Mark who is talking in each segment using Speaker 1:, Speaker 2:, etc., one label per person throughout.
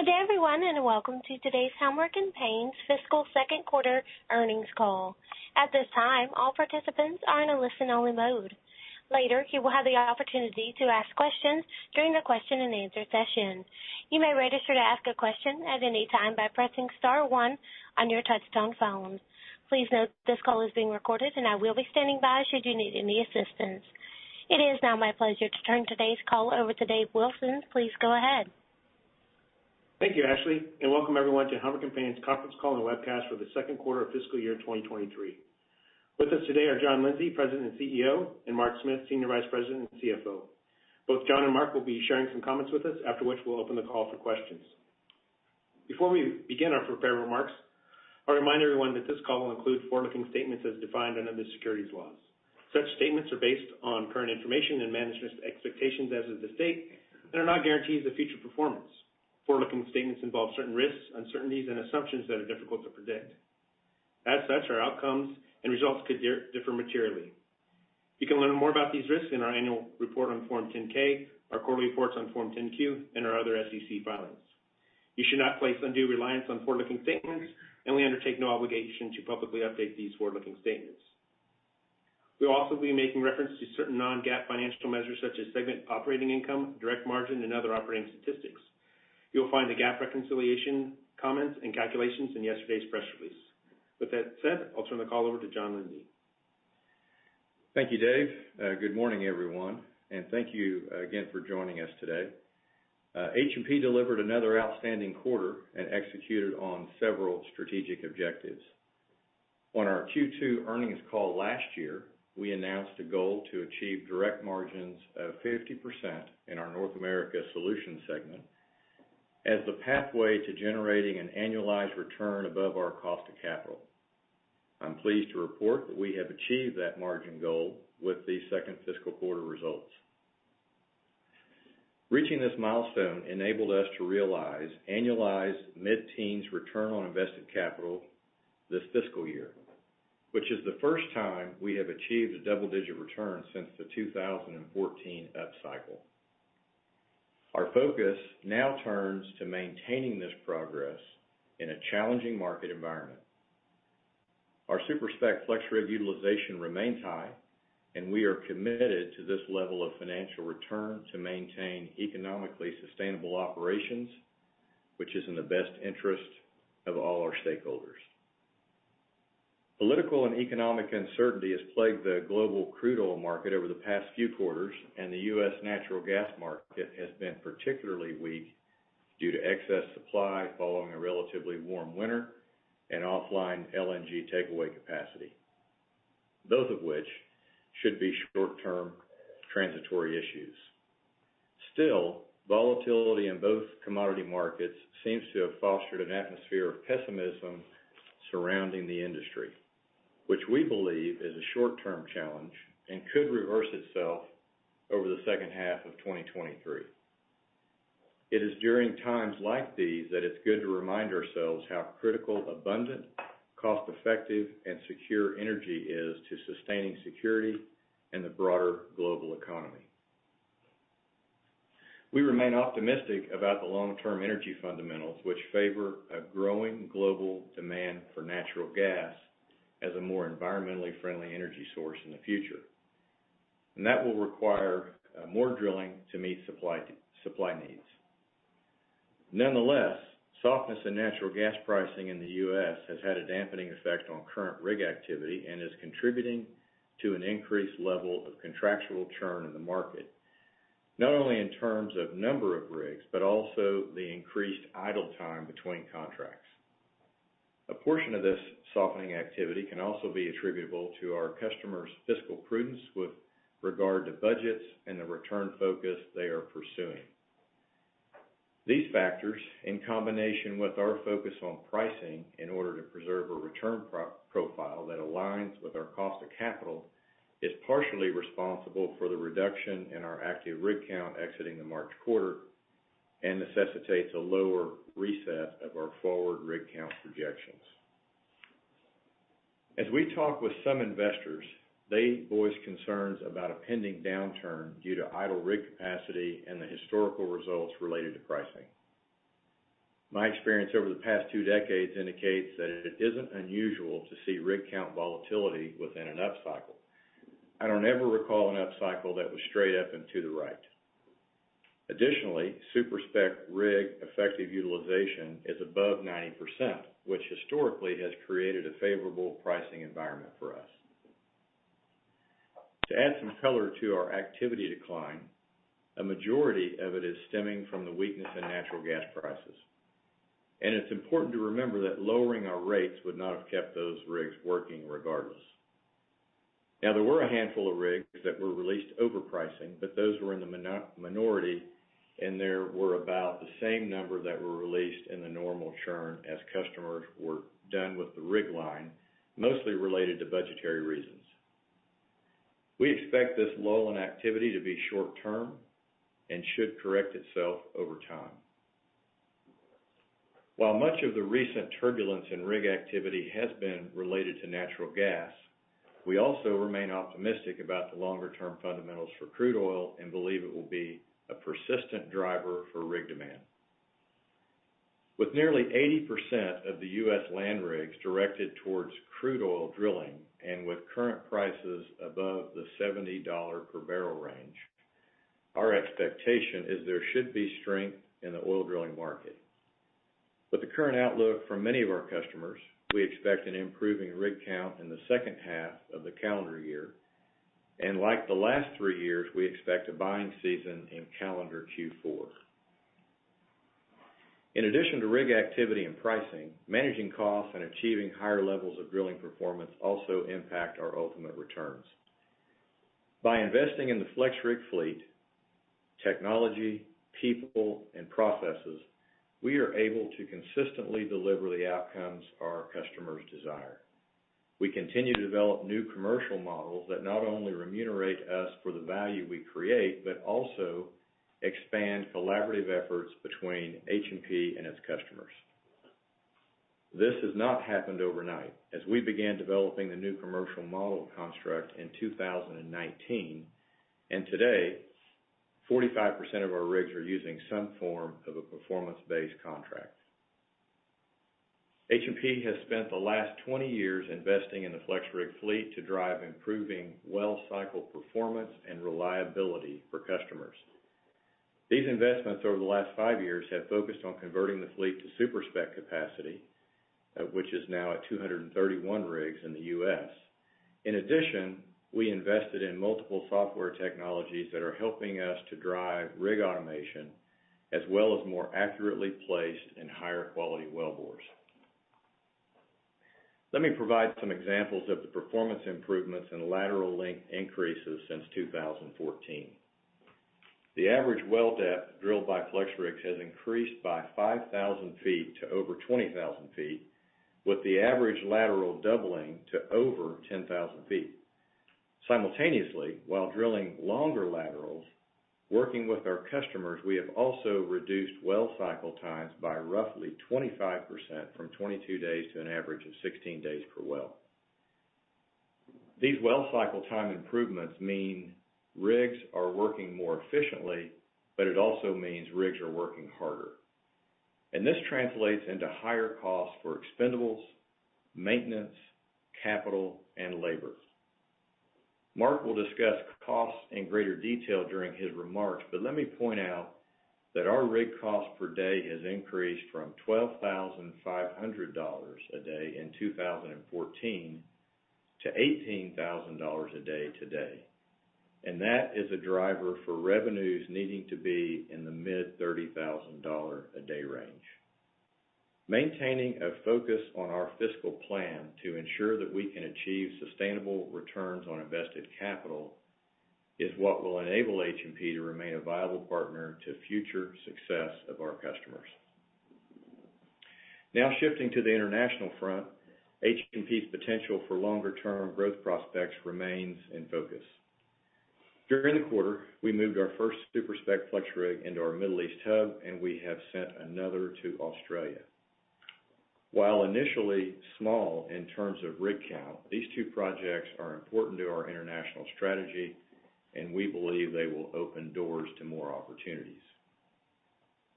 Speaker 1: Good day, everyone, and welcome to today's Helmerich & Payne's Fiscal Second Quarter Earnings Call. At this time, all participants are in a listen-only mode. Later, you will have the opportunity to ask questions during the Q&A session. You may register to ask a question at any time by pressing star one on your touchtone phone. Please note this call is being recorded and I will be standing by should you need any assistance. It is now my pleasure to turn today's call over to Dave Wilson. Please go ahead.
Speaker 2: Thank you, Ashley, and welcome everyone to Helmerich & Payne's conference call and webcast for the second quarter of fiscal year 2023. With us today are John Lindsay, President and CEO, and Mark Smith, Senior Vice President and CFO. Both John and Mark will be sharing some comments with us, after which we'll open the call for questions. Before we begin our prepared remarks, I'll remind everyone that this call will include forward-looking statements as defined under the securities laws. Such statements are based on current information and management's expectations as of this date, and are not guarantees of future performance. Forward-looking statements involve certain risks, uncertainties, and assumptions that are difficult to predict. As such, our outcomes and results could differ materially. You can learn more about these risks in our annual report on Form 10-K, our quarterly reports on Form 10-Q, and our other SEC filings. You should not place undue reliance on forward-looking statements, and we undertake no obligation to publicly update these forward-looking statements. We'll also be making reference to certain non-GAAP financial measures, such as segment operating income, direct margin, and other operating statistics. You'll find the GAAP reconciliation comments and calculations in yesterday's press release. With that said, I'll turn the call over to John Lindsay.
Speaker 3: Thank you, Dave. Good morning, everyone, thank you again for joining us today. H&P delivered another outstanding quarter and executed on several strategic objectives. On our Q2 earnings call last year, we announced a goal to achieve direct margins of 50% in our North America Solutions segment as the pathway to generating an annualized return above our cost of capital. I'm pleased to report that we have achieved that margin goal with the second fiscal quarter results. Reaching this milestone enabled us to realize annualized mid-teens return on invested capital this fiscal year, which is the first time we have achieved a double-digit return since the 2014 upcycle. Our focus now turns to maintaining this progress in a challenging market environment. Our super-spec FlexRig utilization remains high. We are committed to this level of financial return to maintain economically sustainable operations, which is in the best interest of all our stakeholders. Political and economic uncertainty has plagued the global crude oil market over the past few quarters. The U.S. natural gas market has been particularly weak due to excess supply following a relatively warm winter and offline LNG takeaway capacity, both of which should be short-term transitory issues. Volatility in both commodity markets seems to have fostered an atmosphere of pessimism surrounding the industry, which we believe is a short-term challenge and could reverse itself over the second half of 2023. It is during times like these that it's good to remind ourselves how critical abundant, cost-effective, and secure energy is to sustaining security in the broader global economy. We remain optimistic about the long-term energy fundamentals, which favor a growing global demand for natural gas as a more environmentally friendly energy source in the future. That will require more drilling to meet supply needs. Nonetheless, softness in natural gas pricing in the U.S. has had a dampening effect on current rig activity and is contributing to an increased level of contractual churn in the market, not only in terms of number of rigs, but also the increased idle time between contracts. A portion of this softening activity can also be attributable to our customers' fiscal prudence with regard to budgets and the return focus they are pursuing. These factors, in combination with our focus on pricing in order to preserve a return profile that aligns with our cost of capital, is partially responsible for the reduction in our active rig count exiting the March quarter and necessitates a lower reset of our forward rig count projections. As we talk with some investors, they voice concerns about a pending downturn due to idle rig capacity and the historical results related to pricing. My experience over the past two decades indicates that it isn't unusual to see rig count volatility within an upcycle. I don't ever recall an upcycle that was straight up and to the right. Additionally, super-spec rig effective utilization is above 90%, which historically has created a favorable pricing environment for us. To add some color to our activity decline, a majority of it is stemming from the weakness in natural gas prices, and it's important to remember that lowering our rates would not have kept those rigs working regardless. Now, there were a handful of rigs that were released over pricing, but those were in the minority, and there were about the same number that were released in the normal churn as customers were done with the rig line, mostly related to budgetary reasons. We expect this lull in activity to be short-term and should correct itself over time. While much of the recent turbulence in rig activity has been related to natural gas, we also remain optimistic about the longer-term fundamentals for crude oil and believe it will be a persistent driver for rig demand. With nearly 80% of the U.S. land rigs directed towards crude oil drilling and with current prices above the $70 per barrel range, our expectation is there should be strength in the oil drilling market. With the current outlook from many of our customers, we expect an improving rig count in the second half of the calendar year, and like the last three years, we expect a buying season in calendar Q4. In addition to rig activity and pricing, managing costs and achieving higher levels of drilling performance also impact our ultimate returns. By investing in the FlexRig fleet, technology, people, and processes, we are able to consistently deliver the outcomes our customers desire. We continue to develop new commercial models that not only remunerate us for the value we create, but also expand collaborative efforts between H&P and its customers. This has not happened overnight, as we began developing the new commercial model construct in 2019. Today, 45% of our rigs are using some form of a performance-based contract. H&P has spent the last 20 years investing in the FlexRig fleet to drive improving well cycle performance and reliability for customers. These investments over the last five years have focused on converting the fleet to super-spec capacity, which is now at 231 rigs in the U.S. In addition, we invested in multiple software technologies that are helping us to drive rig automation as well as more accurately placed and higher quality wellbores. Let me provide some examples of the performance improvements and lateral length increases since 2014. The average well depth drilled by FlexRigs has increased by 5,000 feet to over 20,000 feet, with the average lateral doubling to over 10,000 feet. Simultaneously, while drilling longer laterals, working with our customers, we have also reduced well cycle times by roughly 25% from 22 days to an average of 16 days per well. These well cycle time improvements mean rigs are working more efficiently, but it also means rigs are working harder. This translates into higher costs for expendables, maintenance, capital, and labor. Mark will discuss costs in greater detail during his remarks, but let me point out that our rig cost per day has increased from $12,500 a day in 2014 to $18,000 a day today. That is a driver for revenues needing to be in the mid $30,000 a day range. Maintaining a focus on our fiscal plan to ensure that we can achieve sustainable returns on invested capital is what will enable H&P to remain a viable partner to future success of our customers. Shifting to the international front, H&P's potential for longer-term growth prospects remains in focus. During the quarter, we moved our first super-spec FlexRig into our Middle East hub, and we have sent another to Australia. While initially small in terms of rig count, these two projects are important to our international strategy, and we believe they will open doors to more opportunities.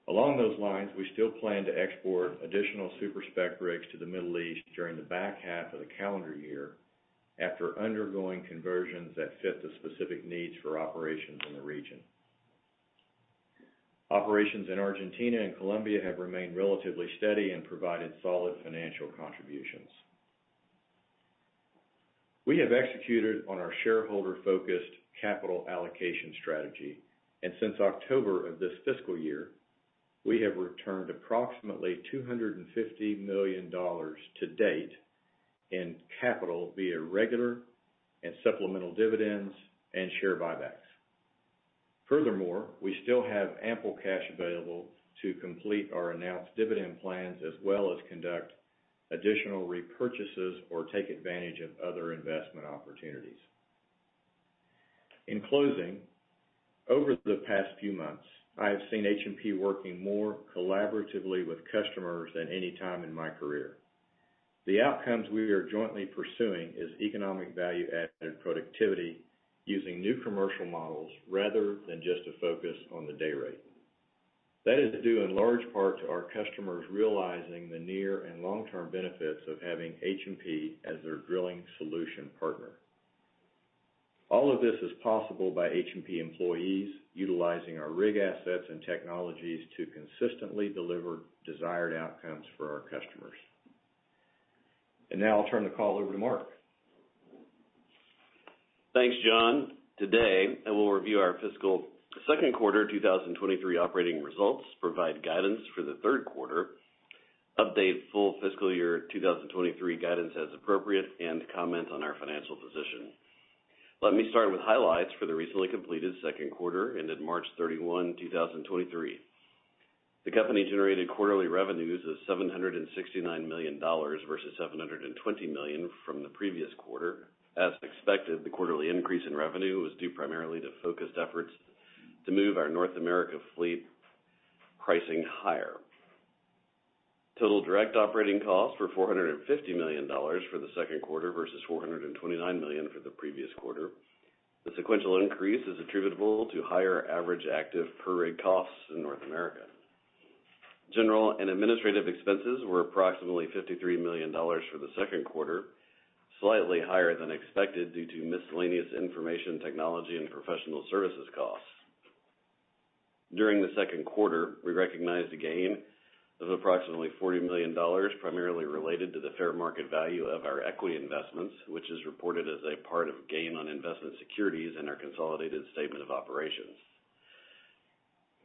Speaker 3: Along those lines, we still plan to export additional super-spec rigs to the Middle East during the back half of the calendar year after undergoing conversions that fit the specific needs for operations in the region. Operations in Argentina and Colombia have remained relatively steady and provided solid financial contributions. We have executed on our shareholder-focused capital allocation strategy, and since October of this fiscal year, we have returned approximately $250 million to date in capital via regular and supplemental dividends and share buybacks. Furthermore, we still have ample cash available to complete our announced dividend plans as well as conduct additional repurchases or take advantage of other investment opportunities. In closing, over the past few months, I have seen H&P working more collaboratively with customers than any time in my career. The outcomes we are jointly pursuing is economic value-added productivity using new commercial models rather than just a focus on the day rate. That is due in large part to our customers realizing the near and long-term benefits of having H&P as their drilling solution partner. All of this is possible by H&P employees utilizing our rig assets and technologies to consistently deliver desired outcomes for our customers. Now I'll turn the call over to Mark.
Speaker 4: Thanks, John. Today, I will review our fiscal second quarter 2023 operating results, provide guidance for the third quarter, update full fiscal year 2023 guidance as appropriate, comment on our financial position. Let me start with highlights for the recently completed second quarter ended March 31, 2023. The company generated quarterly revenues of $769 million versus $720 million from the previous quarter. As expected, the quarterly increase in revenue was due primarily to focused efforts to move our North America fleet pricing higher. Total direct operating costs were $450 million for the second quarter versus $429 million for the previous quarter. The sequential increase is attributable to higher average active per rig costs in North America. General and administrative expenses were approximately $53 million for the second quarter, slightly higher than expected due to miscellaneous information technology and professional services costs. During the second quarter, we recognized a gain of approximately $40 million, primarily related to the fair market value of our equity investments, which is reported as a part of gain on investment securities in our consolidated statement of operations.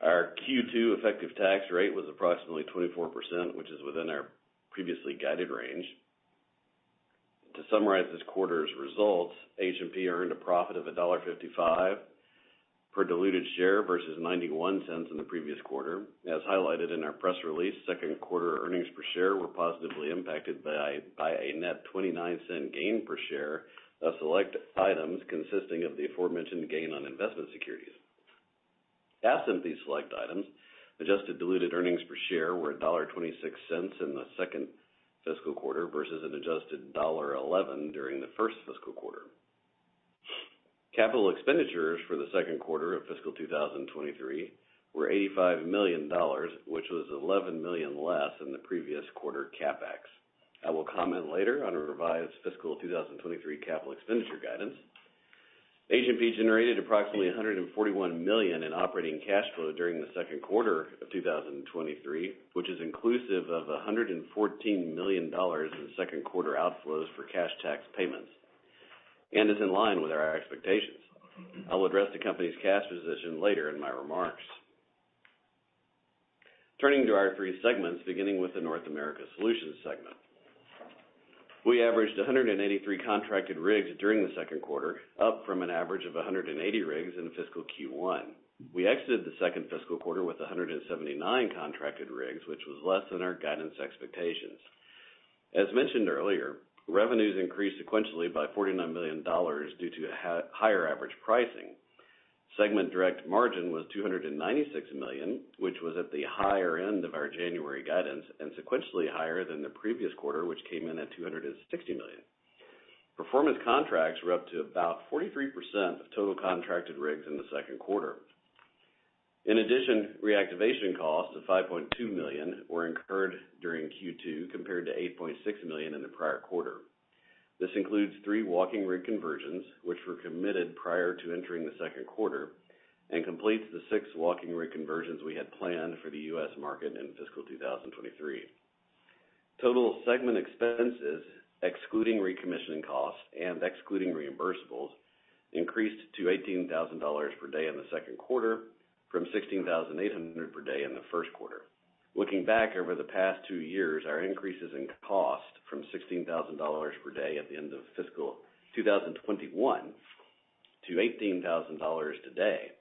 Speaker 4: Our Q2 effective tax rate was approximately 24%, which is within our previously guided range. To summarize this quarter's results, H&P earned a profit of $1.55 per diluted share versus $0.91 in the previous quarter. As highlighted in our press release, second quarter earnings per share were positively impacted by a net $0.29 gain per share of select items consisting of the aforementioned gain on investment securities. Absent these select items, adjusted diluted earnings per share were $1.26 in the second fiscal quarter versus an adjusted $1.11 during the first fiscal quarter. Capital expenditures for the second quarter of fiscal 2023 were $85 million, which was $11 million less than the previous quarter CapEx. I will comment later on a revised fiscal 2023 capital expenditure guidance. H&P generated approximately $141 million in operating cash flow during the second quarter of 2023, which is inclusive of $114 million in second quarter outflows for cash tax payments, is in line with our expectations. I'll address the company's cash position later in my remarks. Turning to our three segments, beginning with the North America Solutions segment. We averaged 183 contracted rigs during the second quarter, up from an average of 180 rigs in fiscal Q1. We exited the second fiscal quarter with 179 contracted rigs, which was less than our guidance expectations. As mentioned earlier, revenues increased sequentially by $49 million due to higher average pricing. Segment direct margin was $296 million, which was at the higher end of our January guidance, and sequentially higher than the previous quarter, which came in at $260 million. Performance contracts were up to about 43% of total contracted rigs in the second quarter. In addition, reactivation costs of $5.2 million were incurred during Q2, compared to $8.6 million in the prior quarter. This includes three walking rig conversions, which were committed prior to entering the second quarter, and completes the six walking rig conversions we had planned for the U.S. market in fiscal 2023. Total segment expenses, excluding recommissioning costs and excluding reimbursables, increased to $18,000 per day in the second quarter from $16,800 per day in the first quarter. Looking back over the past two years, our increases in cost from $16,000 per day at the end of fiscal 2021 to $18,000 today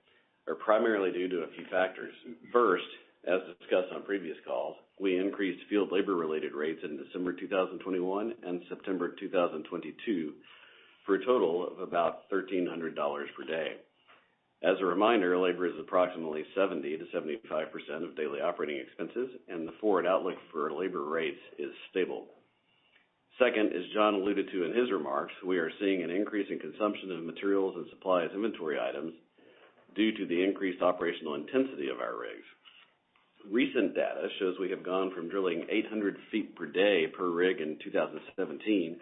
Speaker 4: are primarily due to a few factors. First, as discussed on previous calls, we increased field labor-related rates in December 2021 and September 2022, for a total of about $1,300 per day. As a reminder, labor is approximately 70%-75% of daily operating expenses, and the forward outlook for labor rates is stable. Second, as John alluded to in his remarks, we are seeing an increase in consumption of materials and supplies inventory items due to the increased operational intensity of our rigs. Recent data shows we have gone from drilling 800 feet per day per rig in 2017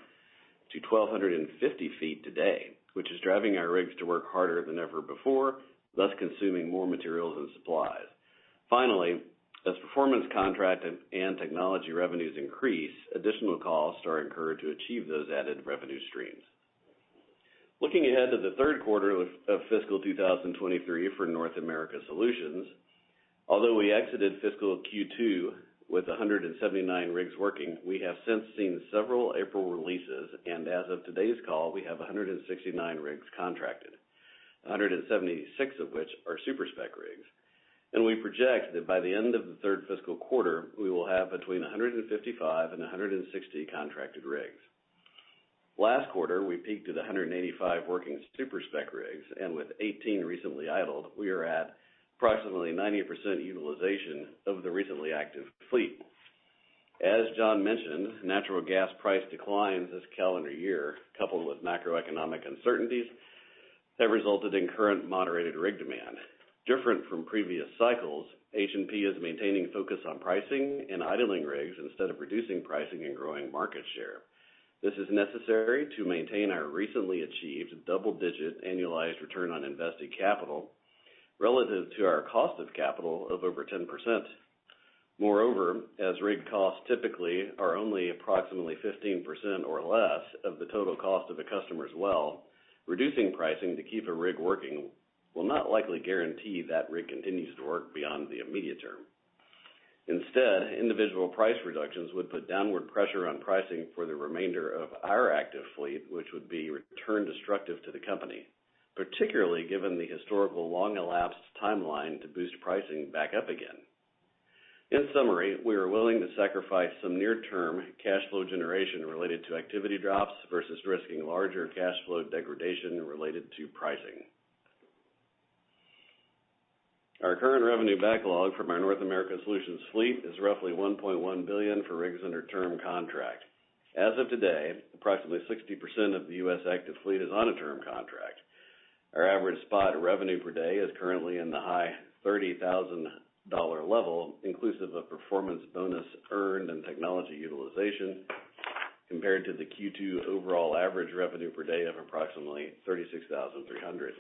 Speaker 4: to 1,250 feet today, which is driving our rigs to work harder than ever before, thus consuming more materials and supplies. Finally, as performance contract and technology revenues increase, additional costs are incurred to achieve those added revenue streams. Looking ahead to the third quarter of fiscal 2023 for North America Solutions, although we exited fiscal Q2 with 179 rigs working, we have since seen several April releases. As of today's call, we have 169 rigs contracted, 176 of which are super-spec rigs. We project that by the end of the third fiscal quarter, we will have between 155 and 160 contracted rigs. Last quarter, we peaked at 185 working super-spec rigs, and with 18 recently idled, we are at approximately 90% utilization of the recently active fleet. As John mentioned, natural gas price declines this calendar year, coupled with macroeconomic uncertainties, have resulted in current moderated rig demand. Different from previous cycles, H&P is maintaining focus on pricing and idling rigs instead of reducing pricing and growing market share. This is necessary to maintain our recently achieved double-digit annualized return on invested capital relative to our cost of capital of over 10%. Moreover, as rig costs typically are only approximately 15% or less of the total cost of the customer's well, reducing pricing to keep a rig working will not likely guarantee that rig continues to work beyond the immediate term. Instead, individual price reductions would put downward pressure on pricing for the remainder of our active fleet, which would be return destructive to the company, particularly given the historical long-elapsed timeline to boost pricing back up again. In summary, we are willing to sacrifice some near-term cash flow generation related to activity drops versus risking larger cash flow degradation related to pricing. Our current revenue backlog from our North America Solutions fleet is roughly $1.1 billion for rigs under term contract. As of today, approximately 60% of the U.S. active fleet is on a term contract. Our average spot revenue per day is currently in the high $30,000 level, inclusive of performance bonus earned and technology utilization compared to the Q2 overall average revenue per day of approximately $36,300.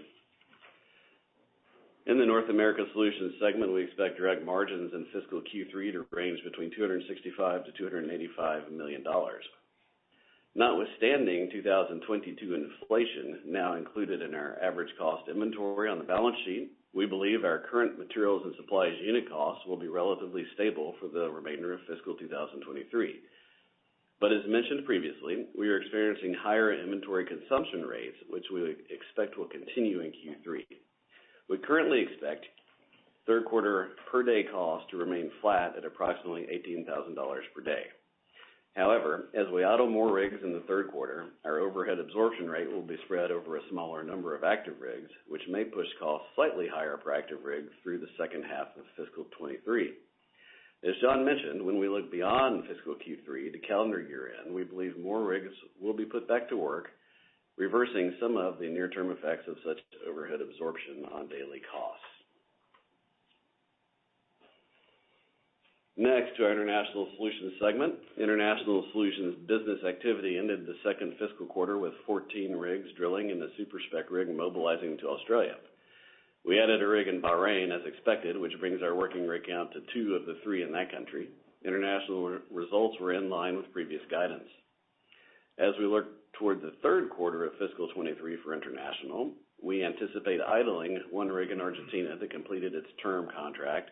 Speaker 4: In the North America Solutions segment, we expect direct margins in fiscal Q3 to range between $265 million-$285 million. Notwithstanding 2022 inflation now included in our average cost inventory on the balance sheet, we believe our current materials and supplies unit costs will be relatively stable for the remainder of fiscal 2023. As mentioned previously, we are experiencing higher inventory consumption rates, which we expect will continue in Q3. We currently expect third quarter per day cost to remain flat at approximately $18,000 per day. As we idle more rigs in the third quarter, our overhead absorption rate will be spread over a smaller number of active rigs, which may push costs slightly higher for active rigs through the second half of fiscal 2023. As John mentioned, when we look beyond fiscal Q3 to calendar year-end, we believe more rigs will be put back to work, reversing some of the near-term effects of such overhead absorption on daily costs. To our International Solutions segment. International Solutions business activity ended the second fiscal quarter with 14 rigs drilling and the super-spec rig mobilizing to Australia. We added a rig in Bahrain as expected, which brings our working rig count to two of the three in that country. International results were in line with previous guidance. As we look toward the third quarter of fiscal 2023 for International, we anticipate idling one rig in Argentina that completed its term contract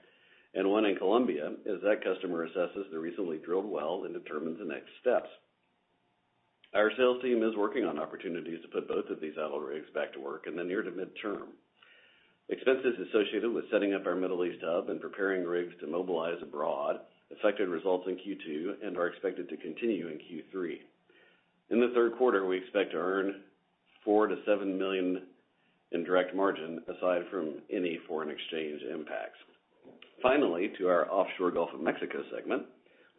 Speaker 4: and one in Colombia as that customer assesses the recently drilled well and determines the next steps. Our sales team is working on opportunities to put both of these idle rigs back to work in the near to mid-term. Expenses associated with setting up our Middle East hub and preparing rigs to mobilize abroad affected results in Q2 and are expected to continue in Q3. In the third quarter, we expect to earn $4 million-$7 million in direct margin aside from any foreign exchange impacts. To our offshore Gulf of Mexico segment.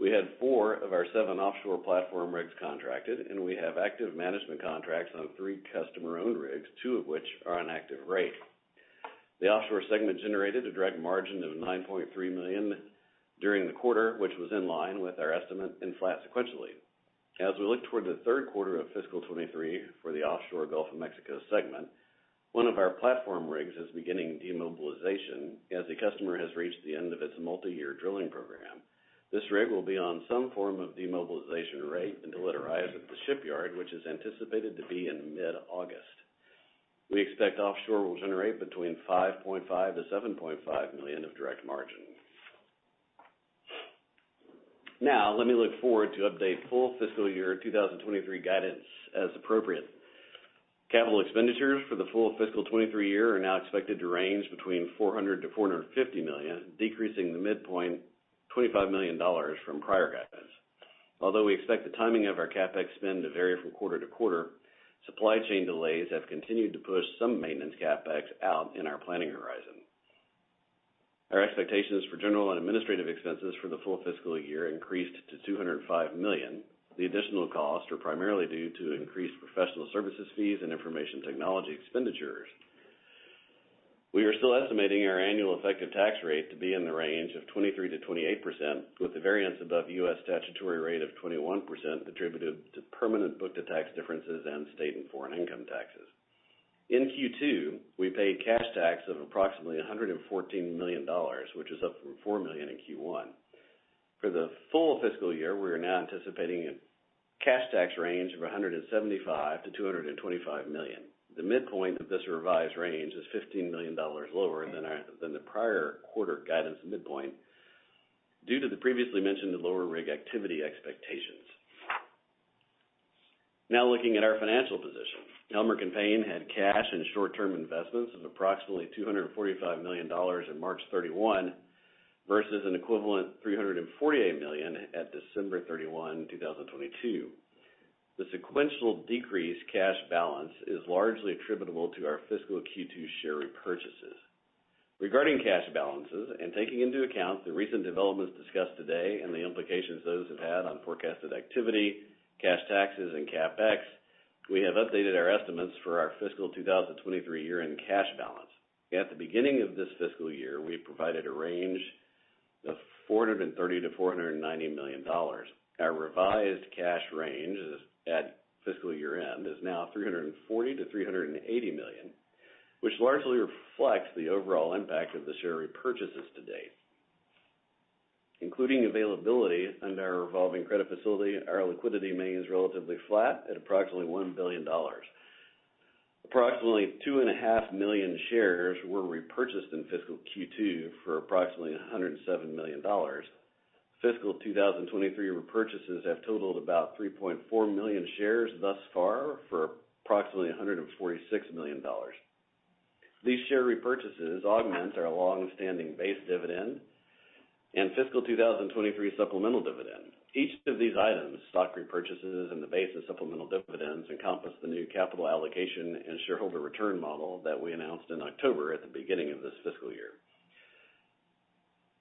Speaker 4: We had four of our seven offshore platform rigs contracted, and we have active management contracts on three customer-owned rigs, two of which are on active rate. The offshore segment generated a direct margin of $9.3 million during the quarter, which was in line with our estimate and flat sequentially. As we look toward the third quarter of fiscal 2023 for the offshore Gulf of Mexico segment, one of our platform rigs is beginning demobilization as the customer has reached the end of its multi-year drilling program. This rig will be on some form of demobilization rate until it arrives at the shipyard, which is anticipated to be in mid-August. We expect offshore will generate between $5.5 million-$7.5 million of direct margin. Now, let me look forward to update full fiscal year 2023 guidance as appropriate. Capital expenditures for the full fiscal 2023 year are now expected to range between $400 million-$450 million, decreasing the midpoint $25 million from prior guidance. Although we expect the timing of our CapEx spend to vary from quarter to quarter, supply chain delays have continued to push some maintenance CapEx out in our planning horizon. Our expectations for general and administrative expenses for the full fiscal year increased to $205 million. The additional costs are primarily due to increased professional services fees and information technology expenditures. We are still estimating our annual effective tax rate to be in the range of 23%-28%, with the variance above U.S. statutory rate of 21% attributed to permanent book to tax differences in state and foreign income taxes. In Q2, we paid cash tax of approximately $114 million, which is up from $4 million in Q1. For the full fiscal year, we are anticipating a cash tax range of $175 million-$225 million. The midpoint of this revised range is $15 million lower than the prior quarter guidance midpoint due to the previously mentioned lower rig activity expectations. Looking at our financial position. Helmerich & Payne had cash and short-term investments of approximately $245 million in March 31 versus an equivalent $348 million at December 31, 2022. The sequential decreased cash balance is largely attributable to our fiscal Q2 share repurchases. Regarding cash balances and taking into account the recent developments discussed today and the implications those have had on forecasted activity, cash taxes, and CapEx, we have updated our estimates for our fiscal 2023 year-end cash balance. At the beginning of this fiscal year, we provided a range of $430 million-$490 million. Our revised cash range at fiscal year-end is now $340 million-$380 million, which largely reflects the overall impact of the share repurchases to date. Including availability under our revolving credit facility, our liquidity remains relatively flat at approximately $1 billion. Approximately 2.5 million shares were repurchased in fiscal Q2 for approximately $107 million. Fiscal 2023 repurchases have totaled about 3.4 million shares thus far for approximately $146 million. These share repurchases augment our long-standing base dividend and fiscal 2023 supplemental dividend. Each of these items, stock repurchases and the base of supplemental dividends, encompass the new capital allocation and shareholder return model that we announced in October at the beginning of this fiscal year.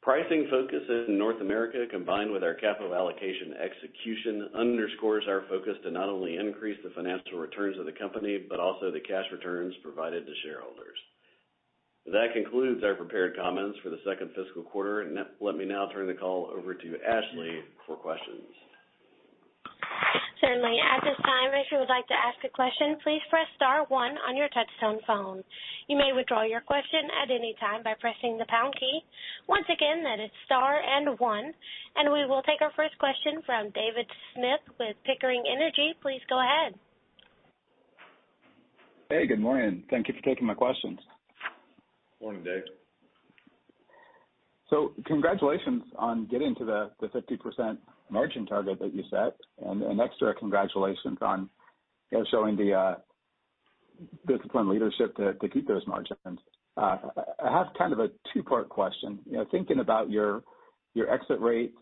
Speaker 4: Pricing focuses in North America, combined with our capital allocation execution, underscores our focus to not only increase the financial returns of the company, but also the cash returns provided to shareholders. That concludes our prepared comments for the second fiscal quarter. Let me now turn the call over to Ashley for questions.
Speaker 1: Certainly. At this time, if you would like to ask a question, please press star one on your touchtone phone. You may withdraw your question at any time by pressing the pound key. Once again, that is star and one. We will take our first question from David Smith with Pickering Energy. Please go ahead.
Speaker 5: Good morning. Thank you for taking my questions.
Speaker 3: Morning, Dave.
Speaker 5: Congratulations on getting to the 50% margin target that you set. An extra congratulations on showing the discipline leadership to keep those margins. I have kind of a two-part question. You know, thinking about your exit rate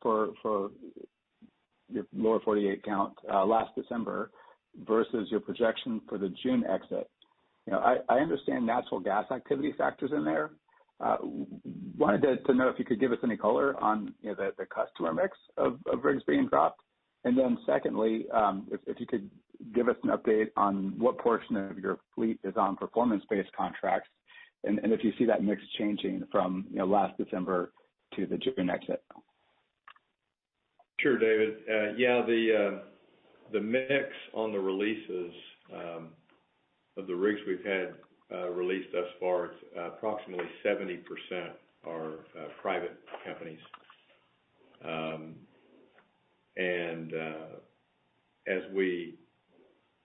Speaker 5: for your lower 48 count last December versus your projection for the June exit, you know, I understand natural gas activity factors in there. Wanted to know if you could give us any color on, you know, the customer mix of rigs being dropped. Secondly, if you could give us an update on what portion of your fleet is on performance-based contracts and if you see that mix changing from, you know, last December to the June exit.
Speaker 3: Sure, David. Yeah, the mix on the releases, of the rigs we've had released thus far, it's approximately 70% are private companies.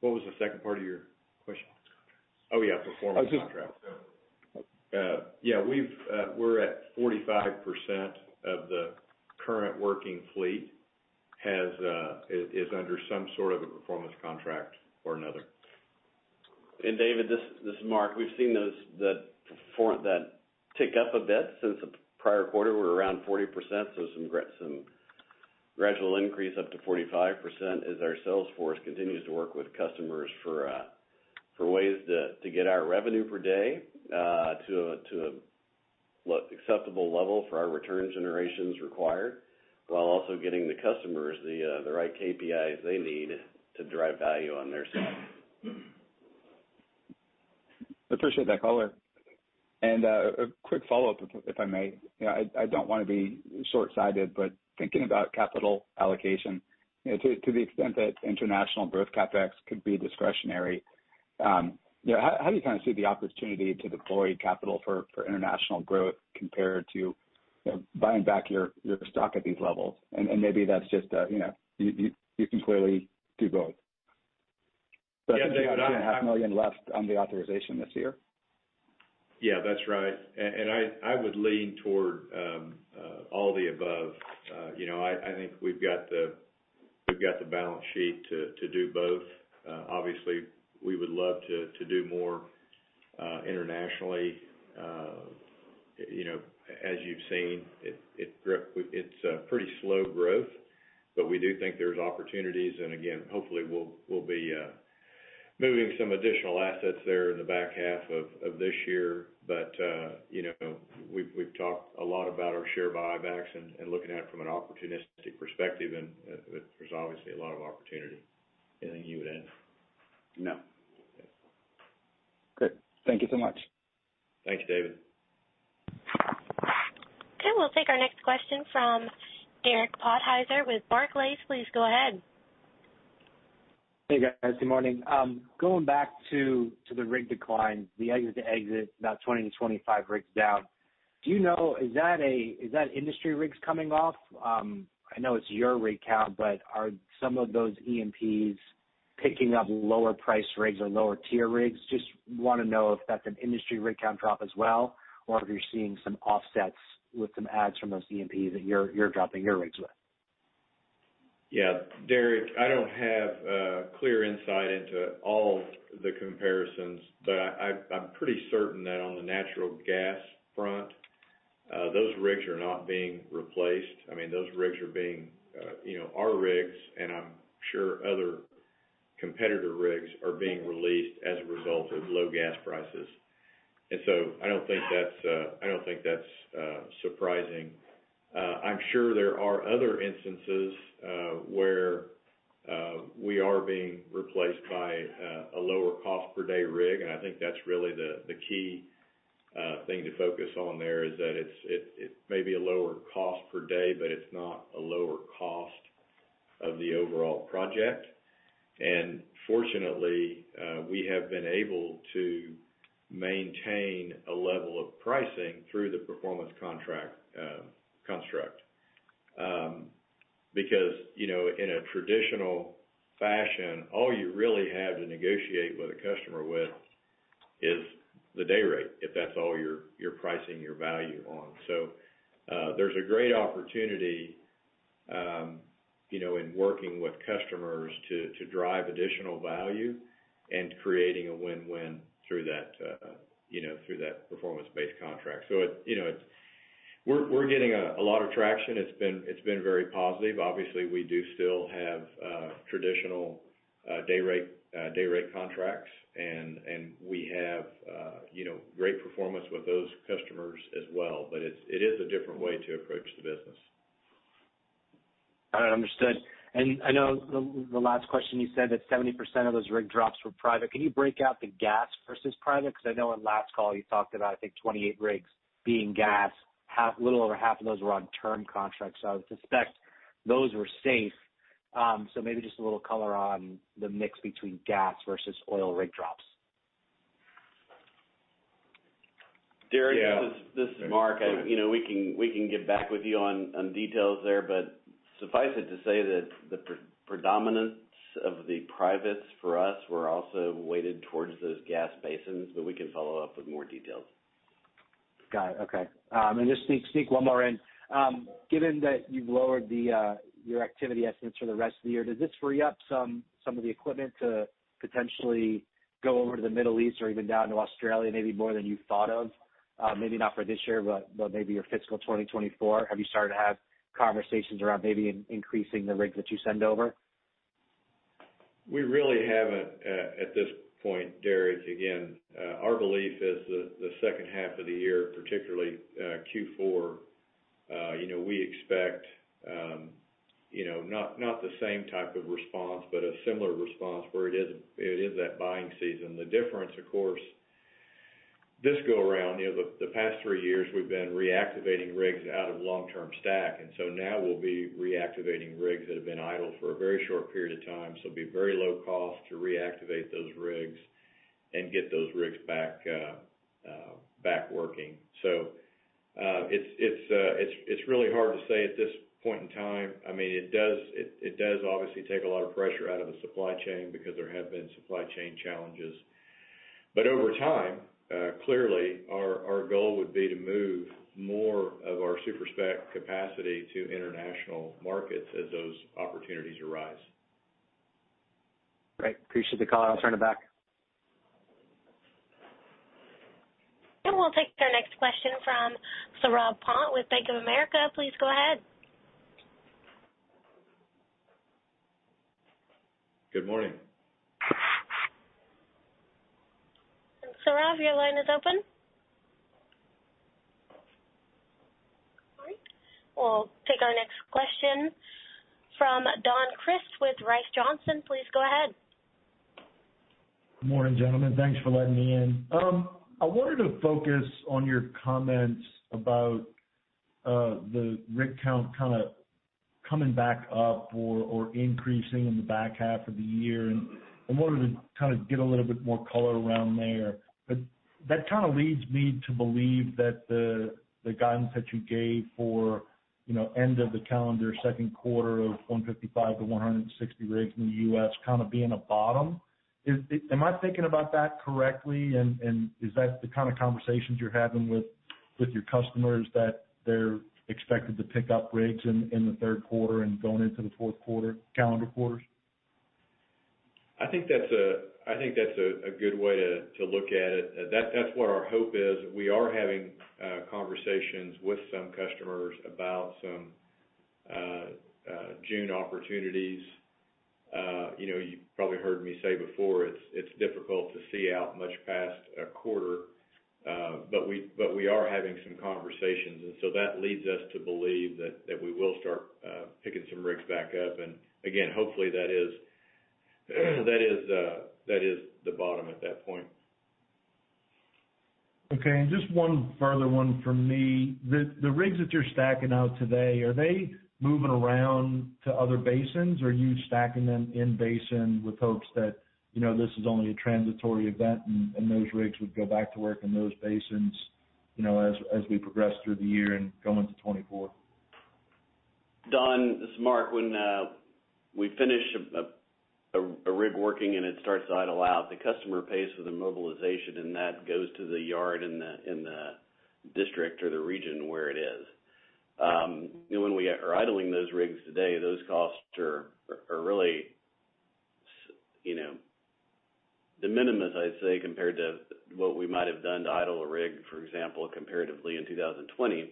Speaker 3: What was the second part of your question? Oh, yeah, performance contracts. Yeah, we've, we're at 45% of the current working fleet has, is under some sort of a performance contract or another.
Speaker 4: David, this is Mark. We've seen those, that tick up a bit since the prior quarter. We're around 40%, so some gradual increase up to 45% as our sales force continues to work with customers for ways to get our revenue per day to an acceptable level for our return generations required, while also getting the customers the right KPIs they need to drive value on their side.
Speaker 5: Appreciate that color. A quick follow-up, if I may. You know, I don't wanna be shortsighted, but thinking about capital allocation, you know, to the extent that international growth CapEx could be discretionary, you know, how do you kind of see the opportunity to deploy capital for international growth compared to, you know, buying back your stock at these levels? Maybe that's just a, you know. You can clearly do both.
Speaker 3: Yeah, David.
Speaker 5: Maybe you have half a million dollars left on the authorization this year.
Speaker 3: Yeah, that's right. I would lean toward all the above. You know, I think we've got the balance sheet to do both. Obviously, we would love to do more internationally. You know, as you've seen, it's pretty slow growth, but we do think there's opportunities. Again, hopefully we'll be moving some additional assets there in the back half of this year. You know, we've talked a lot about our share buybacks and looking at it from an opportunistic perspective, and there's obviously a lot of opportunity. Anything you would add?
Speaker 4: No.
Speaker 3: Great. Thank you so much. Thanks, David.
Speaker 1: Okay, we'll take our next question from Derek Podhaizer with Barclays. Please go ahead.
Speaker 6: Hey, guys. Good morning. going back to the rig decline, the exit to exit, about 20-25 rigs down. Do you know, is that industry rigs coming off? I know it's your rig count, but are some of those E&Ps picking up lower priced rigs or lower tier rigs? Just wanna know if that's an industry rig count drop as well, or if you're seeing some offsets with some adds from those E&Ps that you're dropping your rigs with?
Speaker 3: Derek, I don't have clear insight into all the comparisons, but I'm pretty certain that on the natural gas front, those rigs are not being replaced. I mean, those rigs are being, you know, our rigs, and I'm sure other competitor rigs are being released as a result of low gas prices. I don't think that's surprising. I'm sure there are other instances where we are being replaced by a lower cost per day rig, and I think that's really the key thing to focus on there is that it may be a lower cost per day, but it's not a lower cost of the overall project. Fortunately, we have been able to maintain a level of pricing through the performance contract construct. Because, you know, in a traditional fashion, all you really have to negotiate with a customer with is the day rate, if that's all you're pricing your value on. There's a great, you know, in working with customers to drive additional value and creating a win-win through that, you know, through that performance-based contract. You know, we're getting a lot of traction. It's been very positive. Obviously, we do still have traditional dayrate contracts, and we have, you know, great performance with those customers as well. It is a different way to approach the business.
Speaker 6: All right. Understood. I know the last question, you said that 70% of those rig drops were private. Can you break out the gas versus private? I know on last call you talked about, I think, 28 rigs being gas, little over half of those were on term contracts. I would suspect those were safe. maybe just a little color on the mix between gas versus oil rig drops.
Speaker 4: Derek this is Mark. you know, we can get back with you on details there, but suffice it to say that the predominance of the privates for us were also weighted towards those gas basins, but we can follow up with more details.
Speaker 6: Got it. Okay. Just sneak one more in. Given that you've lowered the your activity estimates for the rest of the year, does this free up some of the equipment to potentially go over to the Middle East or even down to Australia, maybe more than you thought of? Maybe not for this year, but maybe your fiscal 2024. Have you started to have conversations around maybe increasing the rigs that you send over?
Speaker 3: We really haven't at this point, Derek. Again, our belief is the second half of the year, particularly, Q4, you know, we expect, you know, not the same type of response, but a similar response where it is that buying season. The difference, of course, this go around, you know, the past three years we've been reactivating rigs out of long-term stack, and so now we'll be reactivating rigs that have been idle for a very short period of time. So it'll be very low cost to reactivate those rigs and get those rigs back working. So, it's really hard to say at this point in time. I mean, it does obviously take a lot of pressure out of the supply chain because there have been supply chain challenges. Over time, clearly our goal would be to move more of our super-spec capacity to international markets as those opportunities arise.
Speaker 6: Great. Appreciate the call. I'll turn it back.
Speaker 1: We'll take our next question from Saurabh Pant with Bank of America. Please go ahead.
Speaker 3: Good morning.
Speaker 1: Saurabh, your line is open. All right. We'll take our next question from Don Crist with Johnson Rice. Please go ahead.
Speaker 7: Good morning, gentlemen. Thanks for letting me in. I wanted to focus on your comments about the rig count kind of coming back up or increasing in the back half of the year. I wanted to kind of get a little bit more color around there. That kind of leads me to believe that the guidance that you gave for, you know, end of the calendar second quarter of 155-160 rigs in the U.S. kind of being a bottom. Am I thinking about that correctly? Is that the kind of conversations you're having with your customers that they're expected to pick up rigs in the third quarter and going into the fourth quarter, calendar quarters?
Speaker 3: I think that's a good way to look at it. That's what our hope is. We are having conversations with some customers about some June opportunities. you know, you've probably heard me say before, it's difficult to see out much past a quarter, but we are having some conversations. That leads us to believe that we will start picking some rigs back up. Again, hopefully that is the bottom at that point.
Speaker 7: Okay. Just one further one from me. The rigs that you're stacking out today, are they moving around to other basins? Or are you stacking them in basin with hopes that, you know, this is only a transitory event and those rigs would go back to work in those basins, you know, as we progress through the year and go into 2024?
Speaker 4: Don, this is Mark. When we finish a rig working and it starts to idle out, the customer pays for the mobilization, and that goes to the yard in the district or the region where it is. When we are idling those rigs today, those costs are really, you know, de minimis, I'd say, compared to what we might have done to idle a rig, for example, comparatively in 2020,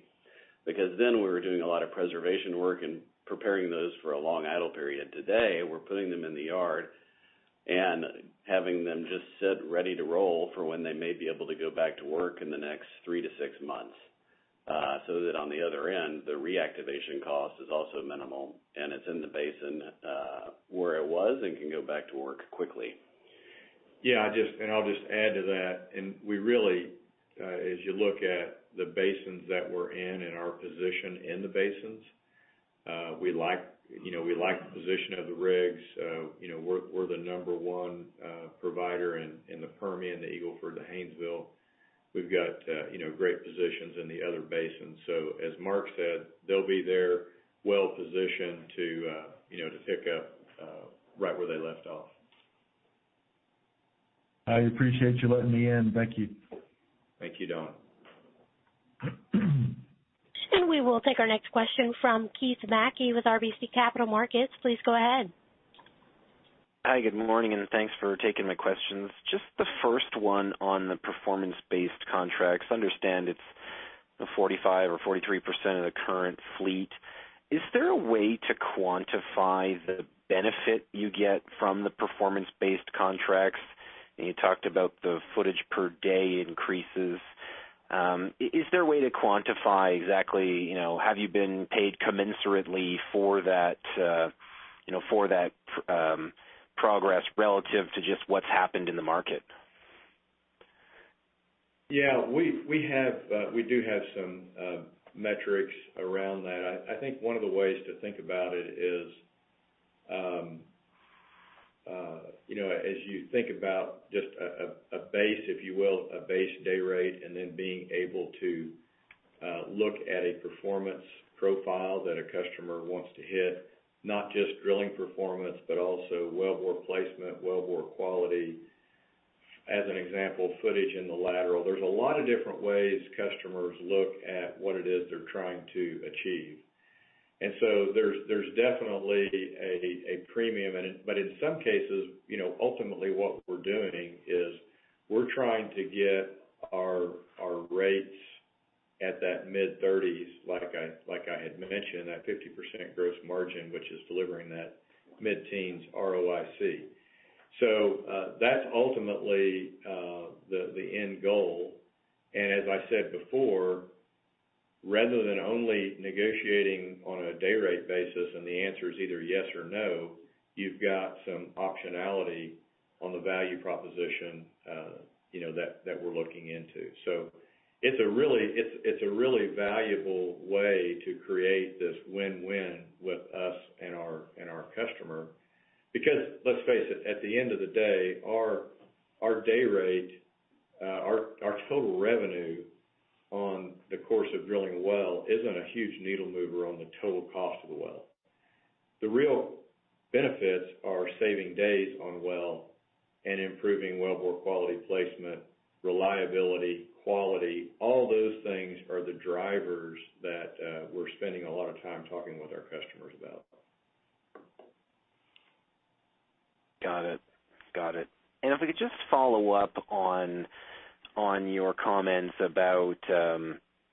Speaker 4: because then we were doing a lot of preservation work and preparing those for a long idle period. Today, we're putting them in the yard and having them just sit ready to roll for when they may be able to go back to work in the next three to six months. That on the other end, the reactivation cost is also minimal, and it's in the basin, where it was and can go back to work quickly.
Speaker 3: Yeah. I just add to that. We really, as you look at the basins that we're in and our position in the basins, we like, you know, we like the position of the rigs. You know, we're the number one provider in the Permian, the Eagle Ford, the Haynesville. We've got, you know, great positions in the other basins. As Mark said, they'll be there well positioned to, you know, to pick up right where they left off.
Speaker 7: I appreciate you letting me in, Becky.
Speaker 3: Thank you, Don.
Speaker 1: We will take our next question from Keith Mackey with RBC Capital Markets. Please go ahead.
Speaker 8: Hi, good morning, and thanks for taking my questions. Just the first one on the performance-based contracts. Understand it's 45% or 43% of the current fleet. Is there a way to quantify the benefit you get from the performance-based contracts? You talked about the footage per day increases. Is there a way to quantify exactly, you know, have you been paid commensurately for that, you know, for that progress relative to just what's happened in the market?
Speaker 3: We have some metrics around that. I think one of the ways to think about it is, you know, as you think about just a base, if you will, a base day rate, and then being able to look at a performance profile that a customer wants to hit, not just drilling performance, but also wellbore placement, wellbore quality. As an example, footage in the lateral. There's a lot of different ways customers look at what it is they're trying to achieve. There's definitely a premium in it. In some cases, you know, ultimately what we're doing is we're trying to get our rates at that mid-thirties, like I had mentioned, that 50% gross margin, which is delivering that mid-teens ROIC. That's ultimately the end goal. As I said before, rather than only negotiating on a day rate basis and the answer is either yes or no, you've got some optionality on the value proposition, you know, that we're looking into. It's a really valuable way to create this win-win with us and our customer. Let's face it, at the end of the day, our day rate, our total revenue on the course of drilling a well isn't a huge needle mover on the total cost of the well. The real benefits are saving days on well and improving well bore quality placement, reliability, quality. All those things are the drivers that we're spending a lot of time talking with our customers about.
Speaker 8: Got it. Got it. If we could just follow up on your comments about,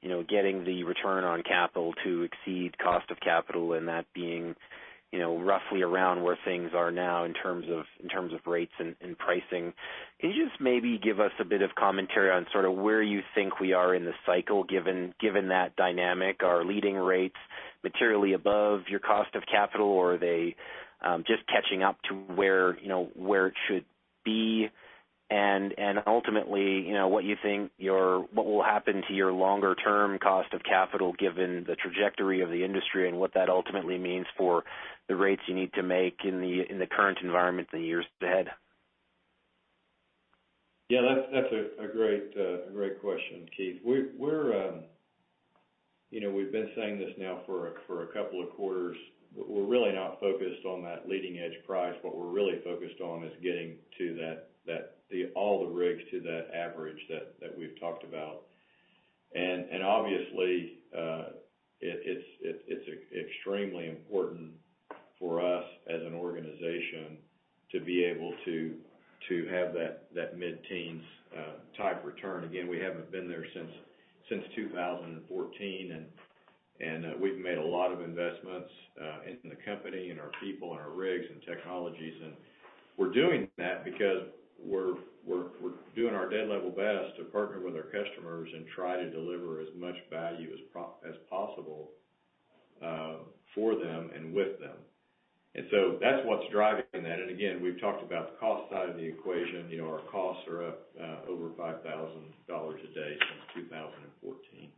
Speaker 8: you know, getting the return on capital to exceed cost of capital and that being, you know, roughly around where things are now in terms of rates and pricing. Can you just maybe give us a bit of commentary on sort of where you think we are in the cycle, given that dynamic? Are leading rates materially above your cost of capital, or are they just catching up to where, you know, where it should be? Ultimately, you know, what you think what will happen to your longer term cost of capital given the trajectory of the industry and what that ultimately means for the rates you need to make in the, in the current environment in years ahead.
Speaker 3: Yeah, that's a great question, Keith. We're, you know, we've been saying this now for a couple of quarters. We're really not focused on that leading edge price. What we're really focused on is getting to that, the all the rigs to that average that we've talked about. Obviously, it's extremely important for us as an organization to be able to have that mid-teens type return. Again, we haven't been there since 2014, and we've made a lot of investments in the company and our people and our rigs and technologies. We're doing that because we're doing our dead level best to partner with our customers and try to deliver as much value as possible for them and with them. That's what's driving that. Again, we've talked about the cost side of the equation. You know, our costs are up over $5,000 a day since 2014.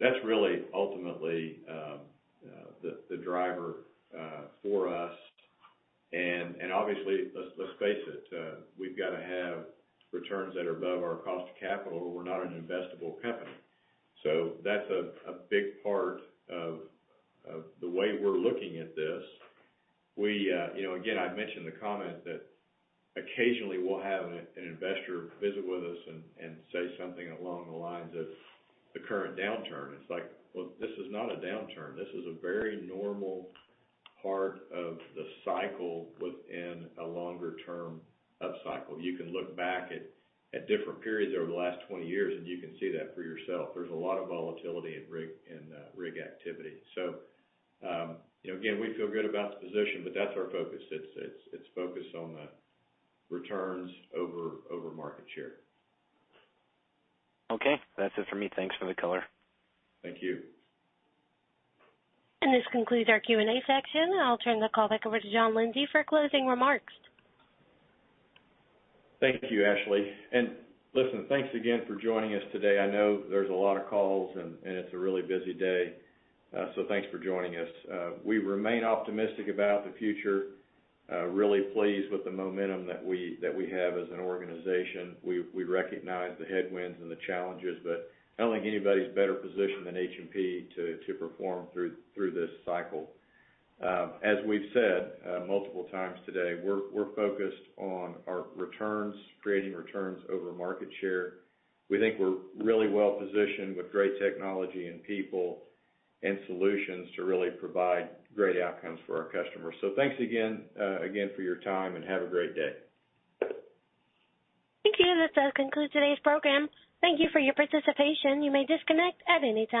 Speaker 3: That's really ultimately the driver for us. Obviously, let's face it, we've gotta have returns that are above our cost of capital, or we're not an investable company. That's a big part of the way we're looking at this. We, you know, again, I mentioned the comment that occasionally we'll have an investor visit with us and say something along the lines of the current downturn. It's like, well, this is not a downturn. This is a very normal part of the cycle within a longer term upcycle. You can look back at different periods over the last 20 years and you can see that for yourself. There's a lot of volatility in rig activity. You know, again, we feel good about the position, but that's our focus. It's focused on the returns over market share.
Speaker 8: Okay. That's it for me. Thanks for the color.
Speaker 3: Thank you.
Speaker 1: This concludes our Q&A section. I'll turn the call back over to John Lindsay for closing remarks.
Speaker 3: Thank you, Ashley. Listen, thanks again for joining us today. I know there's a lot of calls and it's a really busy day, thanks for joining us. We remain optimistic about the future. Really pleased with the momentum that we have as an organization. We recognize the headwinds and the challenges, I don't think anybody's better positioned than H&P to perform through this cycle. As we've said, multiple times today, we're focused on our returns, creating returns over market share. We think we're really well positioned with great technology and people and solutions to really provide great outcomes for our customers. Thanks again for your time, and have a great day.
Speaker 8: Thank you. This concludes today's program. Thank you for your participation. You may disconnect at any time.